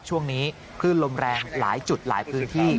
ช่วงนี้คลื่นลมแรงหลายจุดหลายพื้นที่